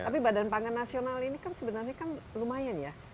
tapi badan pangan nasional ini kan sebenarnya kan lumayan ya